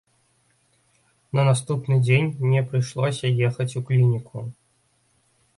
На наступны дзень мне прыйшлося ехаць у клініку.